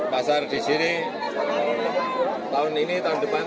pasar di sini tahun ini tahun depan